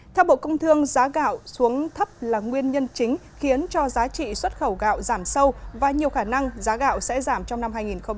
theo bộ công thương giá gạo xuống thấp là nguyên nhân chính khiến cho giá trị xuất khẩu gạo giảm sâu và nhiều khả năng giá gạo sẽ giảm trong năm hai nghìn hai mươi